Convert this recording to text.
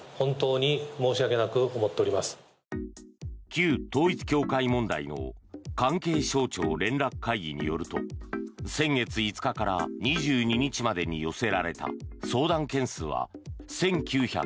旧統一教会問題の関係省庁連絡会議によると先月５日から２２日までに寄せられた相談件数は１９５２件。